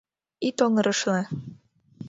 Ит оҥырешле!